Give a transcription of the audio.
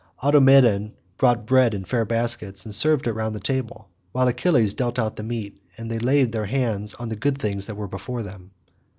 Automedon brought bread in fair baskets and served it round the table, while Achilles dealt out the meat, and they laid their hands on the good things that were before them.